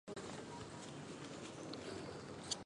本名为赤坂顺子。